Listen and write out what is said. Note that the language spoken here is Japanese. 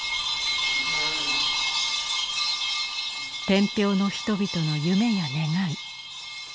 天平の人々の夢や願い。